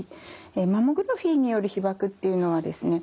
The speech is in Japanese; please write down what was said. マンモグラフィーによる被ばくっていうのはですね